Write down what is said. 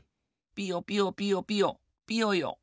ピヨピヨピヨピヨピヨヨ。